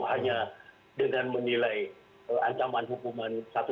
hanya dengan menilai ancaman hukuman satu